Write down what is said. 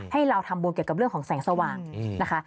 ให้เราทำบุญเกี่ยวกับเรื่องของแสงสว่างนะคะ